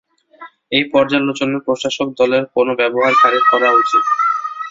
এই পর্যালোচনা প্রশাসক দলের কোনও ব্যবহারকারীর করা উচিত।